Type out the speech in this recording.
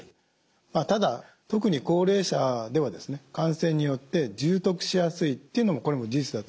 まあただ特に高齢者では感染によって重篤しやすいというのもこれも事実だと思います。